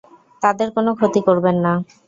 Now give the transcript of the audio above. তাদের কোনো ক্ষতি করবেন না।